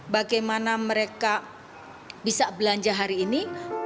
bagaimana mereka bisa belanja hari ini